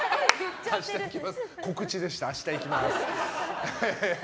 告知でした、明日行きます。